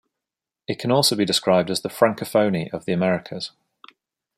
It can also be described as the Francophonie of the Americas.